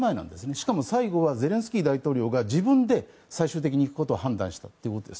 しかも最後はゼレンスキー大統領が自分で最終的に行くことを判断したんです。